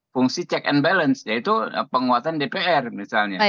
fungsi check and balance yaitu penguatan dpr misalnya